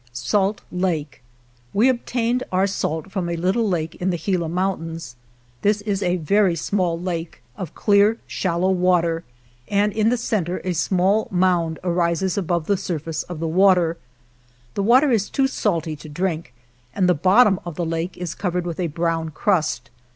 |" Salt Lake " We obtained our salt from a little lake in the Gila Mountains. This is a very small lake of clear, shallow water, and in the cen ter a small mound arises above the surface of the water. The water is too salty to drink, and the bottom of the lake is covered with a brown crust.